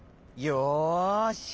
よし！